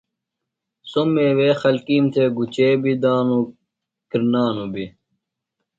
سو میوے خلکیم تھےۡ گُچے بی دانو، کرنانو بی۔